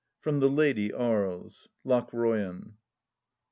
IX From The Lady Aries LOCHROYAK.